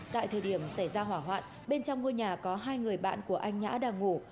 tại thời điểm xảy ra hỏa hoạn bên trong ngôi nhà có hai người bạn của anh nhã đang ngủ